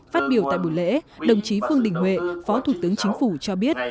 phát biểu tại buổi lễ đồng chí phương đình huệ phó thủ tướng chính phủ cho biết